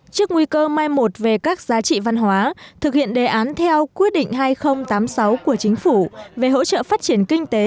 trước nguy cơ mai một về các giá trị văn hóa thực hiện đề án theo quyết định hai nghìn tám mươi sáu của chính phủ về hỗ trợ phát triển kinh tế